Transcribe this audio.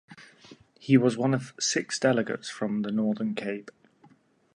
He was one of six delegates from the Northern Cape.